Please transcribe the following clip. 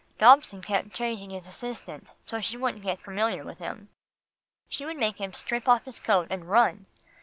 Dobson kept changing his assistant, so she wouldn't get familiar with him. He would make him strip off his coat, and run.